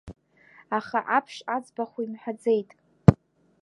Аха аԥш аӡбахә имҳәаӡеит.